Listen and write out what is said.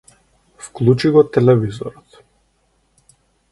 Вклучи го телевизорот.